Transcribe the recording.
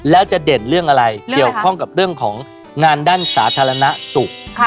แล้วจะเด่นเรื่องอะไรเกี่ยวข้องกับเรื่องของงานด้านสาธารณสุข